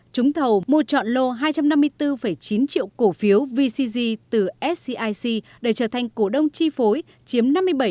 chúng thầu mua chọn lô hai trăm năm mươi bốn chín triệu cổ phiếu vcg từ scic để trở thành cổ đông chi phối chiếm năm mươi bảy bảy